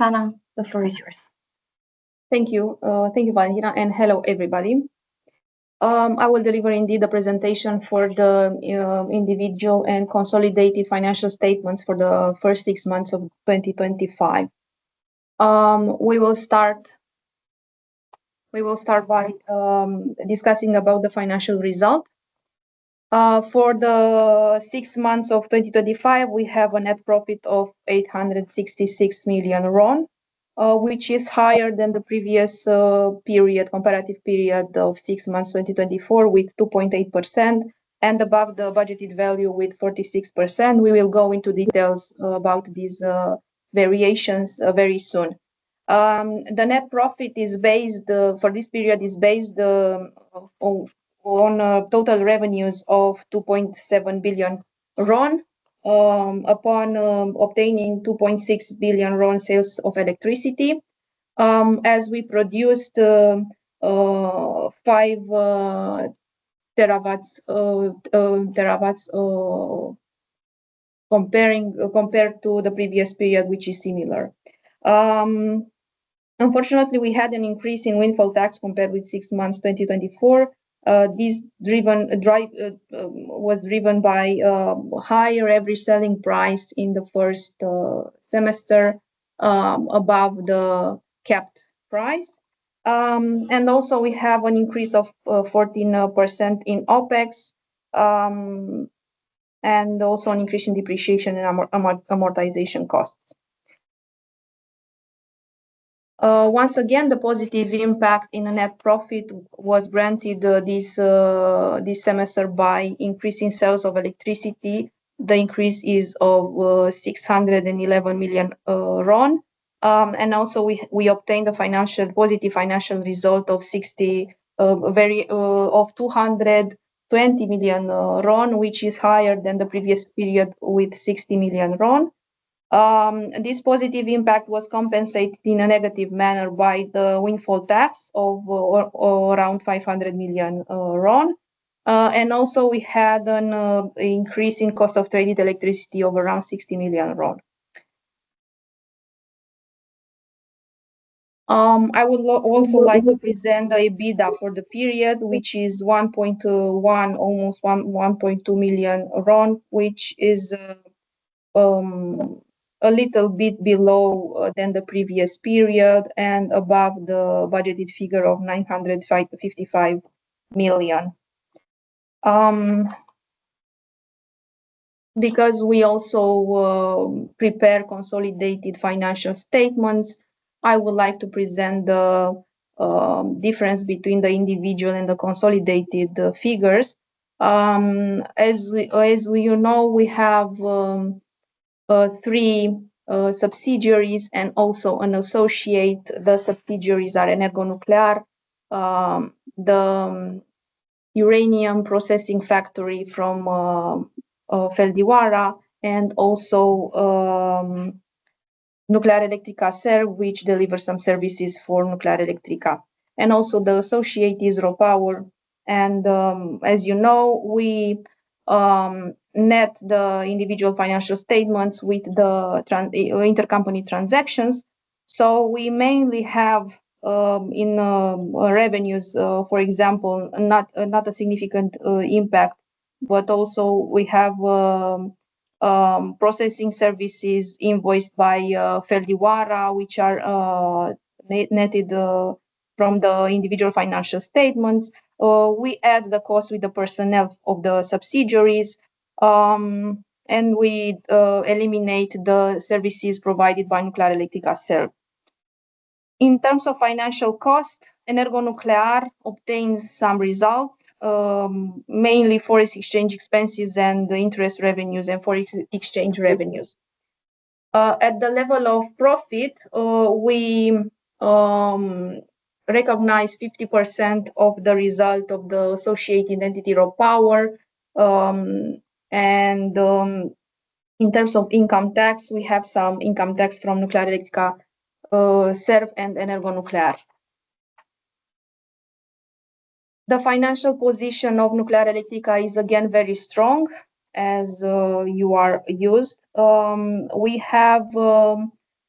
Roxana, the floor is yours. Thank you. Thank you, Valentina, and hello, everybody. I will deliver indeed the presentation for the individual and consolidated financial statements for the first six months of 2025. We will start by discussing about the financial result. For the six months of 2025, we have a net profit of RON 866 million, which is higher than the previous period, comparative period of six months 2024 with 2.8% and above the budgeted value with 46%. We will go into details about these variations very soon. The net profit for this period is based on total revenues of RON 2.7 billion upon obtaining RON 2.6 billion sales of electricity, as we produced 5 TWh compared to the previous period, which is similar. Unfortunately, we had an increase in windfall tax compared with six months 2024. This was driven by a higher average selling price in the first semester above the capped price. We have an increase of 14% in OpEx and also an increase in depreciation and amortization costs. Once again, the positive impact in the net profit was granted this semester by increasing sales of electricity. The increase is of RON 611 million. We obtained a positive financial result of RON 220 million, which is higher than the previous period with RON 60 million. This positive impact was compensated in a negative manner by the windfall tax of around RON 500 million. We had an increase in cost of traded electricity of around RON 60 million. I would also like to present EBITDA for the period, which is RON 1.1 billion, almost RON 1.2 billion, which is a little bit below than the previous period and above the budgeted figure of RON 955 million. Because we also prepare consolidated financial statements, I would like to present the difference between the individual and the consolidated figures. As you know, we have three subsidiaries and also an associate. The subsidiaries are EnergoNuclear, the Uranium Processing Factory from Feldioara, and also Nuclearelectrica Serv, which delivers some services for Nuclearelectrica. The associate is RoPower. As you know, we net the individual financial statements with the intra-group transactions. We mainly have in revenues, for example, not a significant impact, but we have processing services invoiced by Feldioara, which are netted from the individual financial statements. We add the cost with the personnel of the subsidiaries, and we eliminate the services provided by Nuclearelectrica Serv. In terms of financial cost, EnergoNuclear obtains some results, mainly forex exchange expenses and interest revenues and forex exchange revenues. At the level of profit, we recognize 50% of the result of the associate entity RoPower. In terms of income tax, we have some income tax from Nuclearelectrica Serv and EnergoNuclear. The financial position of Nuclearelectrica is again very strong, as you are used. We have,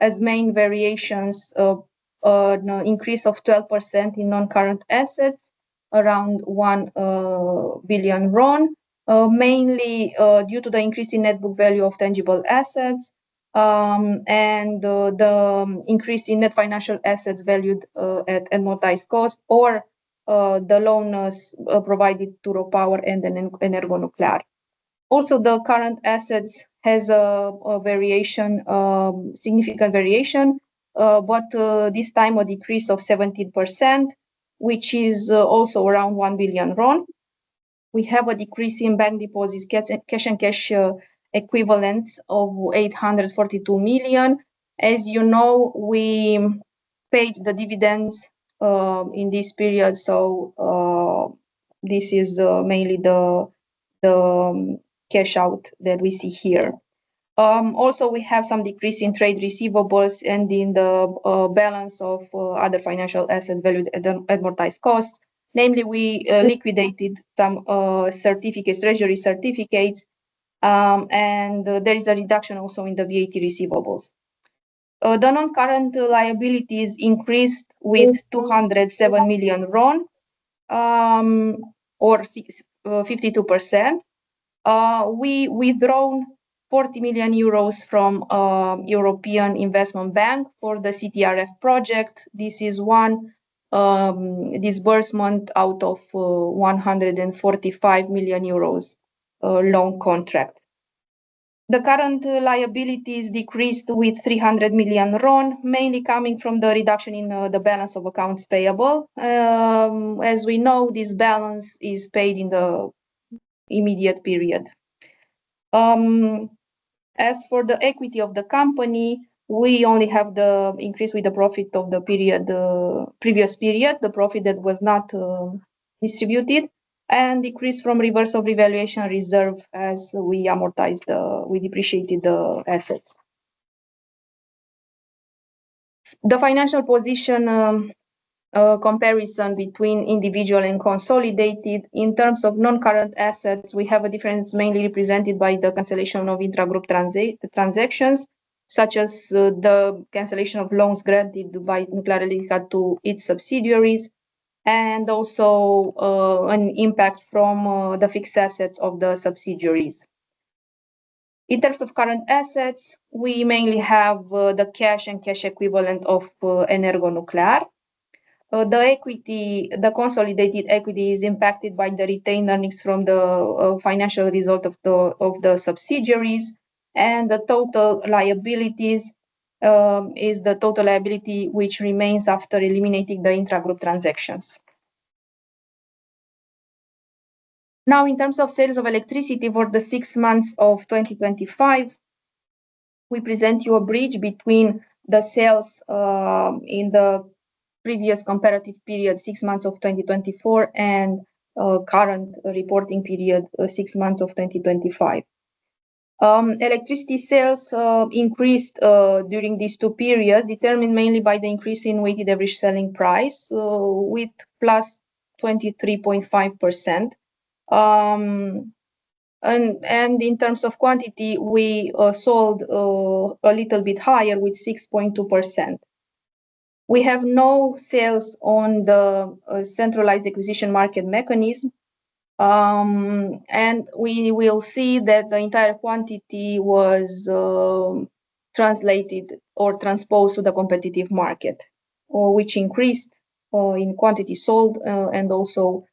as main variations, an increase of 12% in non-current assets, around RON 1 billion, mainly due to the increase in net book value of tangible assets and the increase in net financial assets valued at amortized cost or the loans provided to RoPower and EnergoNuclear. Also, the current assets have a significant variation, but this time, a decrease of 17%, which is also around RON 1 billion. We have a decrease in bank deposits, cash and cash equivalents of RON 842 million. As you know, we paid the dividends in this period. This is mainly the cash out that we see here. We have some decrease in trade receivables and in the balance of other financial assets valued at amortized cost. Namely, we liquidated some treasury certificates, and there is a reduction also in the VAT receivables. The non-current liabilities increased with RON 207 million or 52%. We withdrew 40 million euros from the European Investment Bank for the CTRF project. This is one disbursement out of a 145 million euros loan contract. The current liabilities decreased with RON 300 million, mainly coming from the reduction in the balance of accounts payable. As we know, this balance is paid in the immediate period. As for the equity of the company, we only have the increase with the profit of the previous period, the profit that was not distributed, and decrease from reverse of evaluation reserve as we depreciated the assets. The financial position comparison between individual and consolidated, in terms of non-current assets, we have a difference mainly represented by the cancellation of intra-group transactions, such as the cancellation of loans granted by Nuclearelectrica to its subsidiaries, and also an impact from the fixed assets of the subsidiaries. In terms of current assets, we mainly have the cash and cash equivalent of EnergoNuclear. The consolidated equity is impacted by the retained earnings from the financial result of the subsidiaries, and the total liabilities is the total liability which remains after eliminating the intra-group transactions. Now, in terms of sales of electricity for the six months of 2025, we present you a bridge between the sales in the previous comparative period, six months of 2024, and current reporting period, six months of 2025. Electricity sales increased during these two periods, determined mainly by the increase in weighted average selling price with plus 23.5%. In terms of quantity, we sold a little bit higher with 6.2%. We have no sales on the centralized acquisition market mechanism, and we will see that the entire quantity was translated or transposed to the competitive market, which increased in quantity sold and also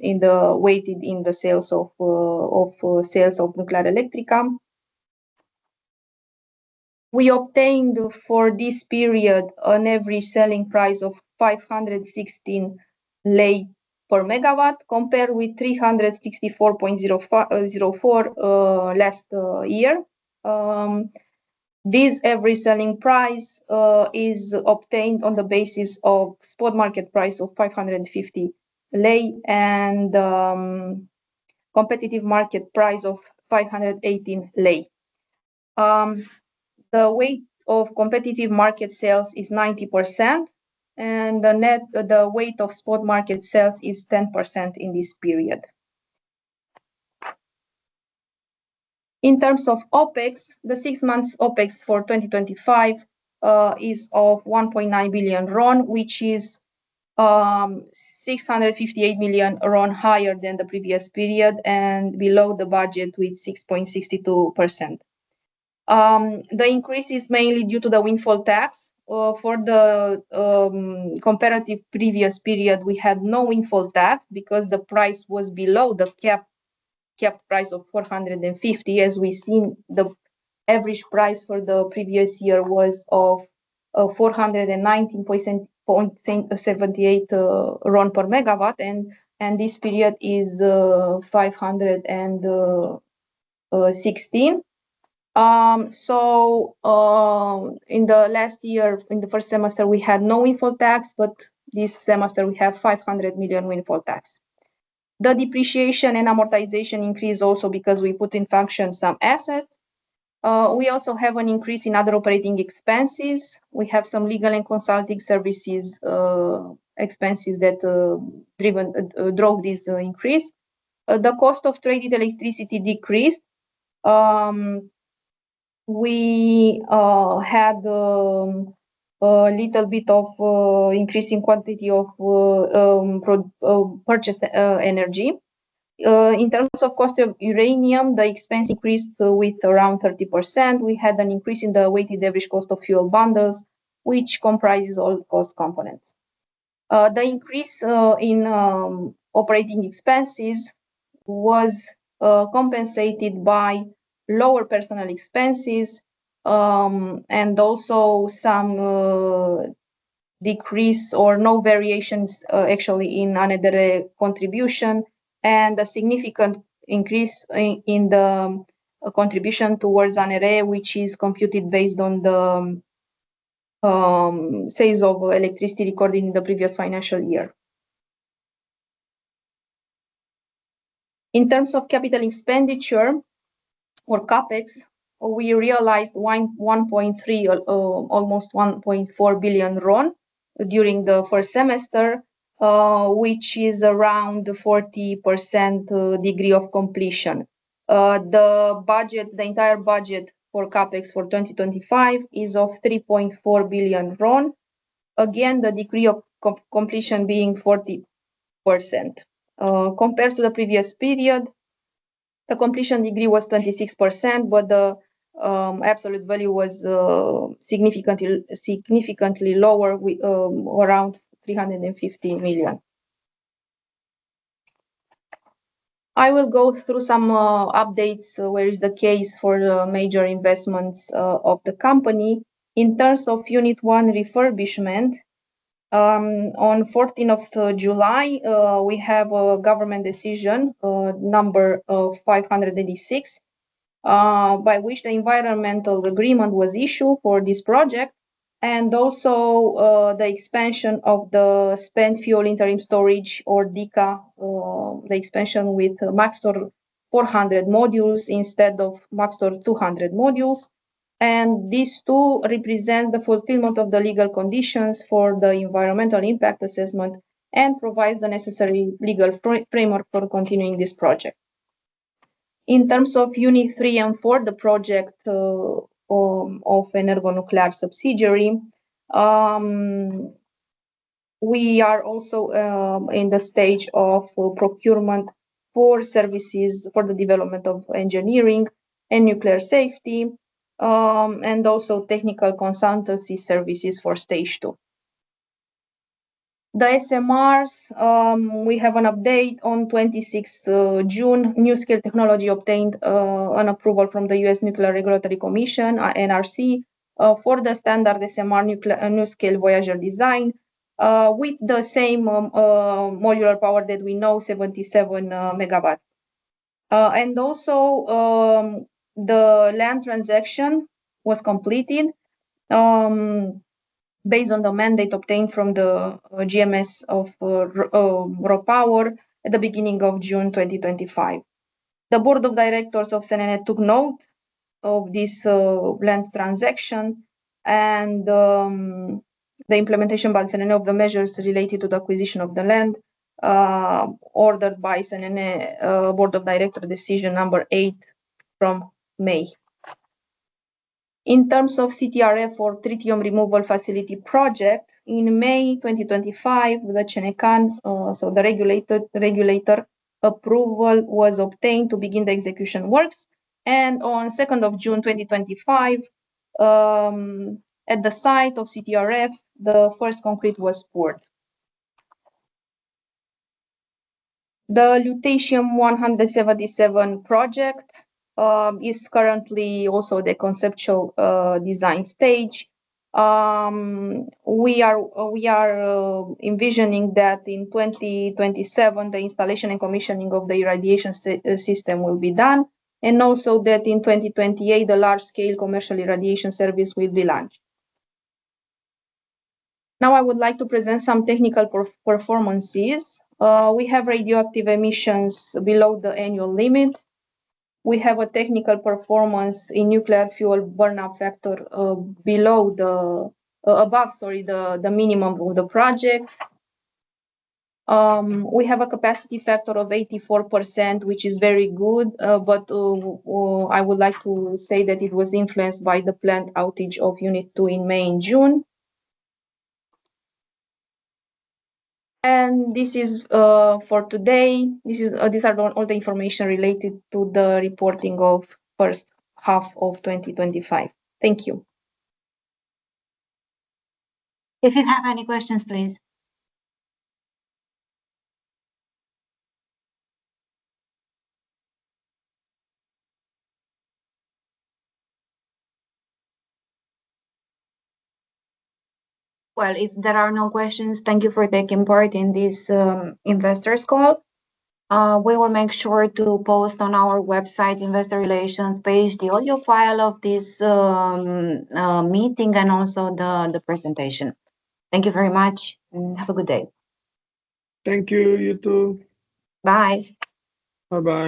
in the weighted in the sales of Nuclearelectrica. We obtained for this period an average selling price of RON 516 per MW compared with RON 364.04 last year. This average selling price is obtained on the basis of spot market price of RON 550 and competitive market price of RON 518. The weight of competitive market sales is 90%, and the net weight of spot market sales is 10% in this period. In terms of OpEx, the six months OpEx for 2025 is RON 1.9 billion, which is RON 658 million higher than the previous period and below the budget with 6.62%. The increase is mainly due to the windfall tax. For the comparative previous period, we had no windfall tax because the price was below the capped price of RON 450. As we've seen, the average price for the previous year was RON 419.78 per MW. This period is RON 516. In the last year, in the first semester, we had no windfall tax, but this semester we have RON 500 million windfall tax. The depreciation and amortization increase also because we put in function some assets. We also have an increase in other operating expenses. We have some legal and consulting services expenses that drove this increase. The cost of traded electricity decreased. We had a little bit of increase in quantity of purchased energy. In terms of cost of uranium, the expense increased with around 30%. We had an increase in the weighted average cost of nuclear fuel bundles, which comprises all cost components. The increase in operating expenses was compensated by lower personnel expenses and also some decrease or no variations, actually, in ANRE contribution and a significant increase in the contribution towards ANRE, which is computed based on the sales of electricity recorded in the previous financial year. In terms of capital expenditure or CapEx, we realized RON 1.3, almost RON 1.4 billion during the first semester, which is around the 40% degree of completion. The entire budget for CapEx for 2025 is RON 3.4 billion, again, the degree of completion being 40%. Compared to the previous period, the completion degree was 26%, but the absolute value was significantly lower, around RON 350 million. I will go through some updates, where is the case for major investments of the company. In terms of Unit 1 refurbishment, on 14th of July, we have a government decision number 586, by which the environmental agreement was issued for this project, and also the expansion of the spent fuel interim storage or DECA, the expansion with Maxtor 400 modules instead of Maxtor 200 modules. These two represent the fulfillment of the legal conditions for the environmental impact assessment and provide the necessary legal framework for continuing this project. In terms of Units 3 and 4, the project of EnergoNuclear subsidiary, we are also in the stage of procurement for services for the development of engineering and nuclear safety and also technical consultancy services for stage two. The SMRs, we have an update on 26 of June, NuScale technology obtained an approval from the U.S. Nuclear Regulatory Commission or NRC for the standard SMR NuScale’s Voyager design with the same modular power that we know, 77 MW. Also, the land transaction was completed based on the mandate obtained from the GMS of RoPower at the beginning of June 2025. The Board of Directors of SANA took note of this land transaction and the implementation by SANA of the measures related to the acquisition of the land ordered by SANA Board of Directors Decision Number 8 from May. In terms of CTRF or Tritium Removal Facility project, in May 2025, the regulator approval was obtained to begin the execution works. On 2nd of June 2025, at the site of CTRF, the first concrete was poured. The Lutetium-177 irradiation project is currently also at the conceptual design stage. We are envisioning that in 2027, the installation and commissioning of the irradiation system will be done, and also that in 2028, the large-scale commercial irradiation service will be launched. Now, I would like to present some technical performances. We have radioactive emissions below the annual limit. We have a technical performance in nuclear fuel burnout factor above, sorry, the minimum of the project. We have a capacity factor of 84%, which is very good. I would like to say that it was influenced by the plant outage of Unit 2 in May and June. This is for today. These are all the information related to the reporting of the first half of 2025. Thank you. If you have any questions, please. If there are no questions, thank you for taking part in this investors' call. We will make sure to post on our website, investorrelations.ph, the audio file of this meeting and also the presentation. Thank you very much, and have a good day. Thank you. You too. Bye. Bye-bye.